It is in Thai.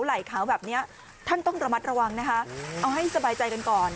ไหล่ขาวแบบนี้ท่านต้องระมัดระวังนะคะเอาให้สบายใจกันก่อน